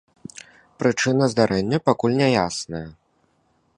Прычына здарэння пакуль няясная.